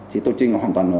thì tôi chứ hoàn toàn